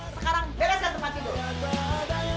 sekarang belajar tempat tidur